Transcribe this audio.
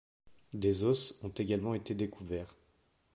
Des os ont également été découverts.